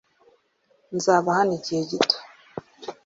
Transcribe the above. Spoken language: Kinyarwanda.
Nzaba hano igihe gito .